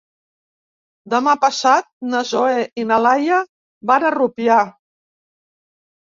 Demà passat na Zoè i na Laia van a Rupià.